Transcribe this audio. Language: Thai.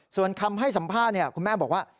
ส่วนคำให้สัมภาษณ์คุณแม่บอกว่า